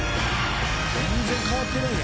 全然変わってない。